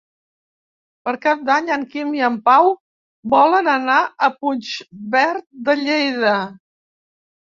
Per Cap d'Any en Quim i en Pau volen anar a Puigverd de Lleida.